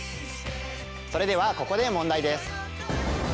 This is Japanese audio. それではここで問題です。